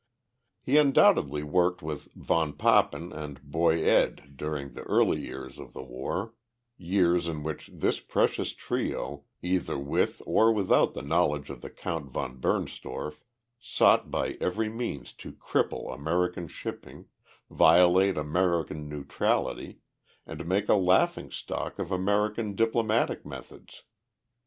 He undoubtedly worked with von Papen and Boy Ed during the early years of the war years in which this precious trio, either with or without the knowledge of Count von Bernstorff, sought by every means to cripple American shipping, violate American neutrality, and make a laughingstock of American diplomatic methods.